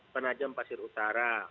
penajam pasir utara